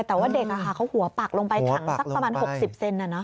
แต่ว่าเด็กเขาหัวปักลงไปถังสักประมาณ๖๐เซน